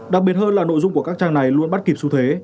đặc biệt hơn là nội dung của các trang này luôn bắt kịp xu thế